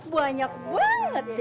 banyak banget deh